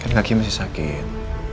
kan kaki masih sakit